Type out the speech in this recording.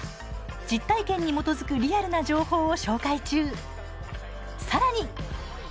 実体験に基づくリアルな情報を紹介中。